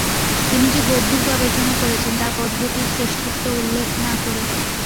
তিনি যে গভীর গবেষণা করেছেন তার পদ্ধতির শ্রেষ্ঠত্ব উল্লেখ না করে।